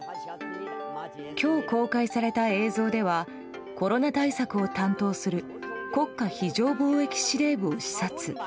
今日公開された映像ではコロナ対策を担当する国家非常防疫司令部を視察。